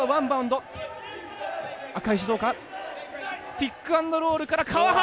ピックアンドロールから川原！